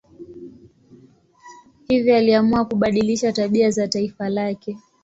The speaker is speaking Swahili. Hivyo aliamua kubadilisha tabia za taifa lake.